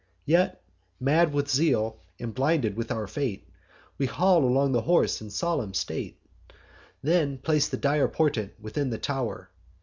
Yet, mad with zeal, and blinded with our fate, We haul along the horse in solemn state; Then place the dire portent within the tow'r.